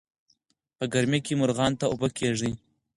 په ګرمۍ کې مارغانو ته اوبه کېږدئ.